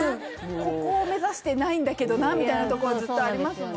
ここを目指してないんだけどなみたいなとこずっとありますもんね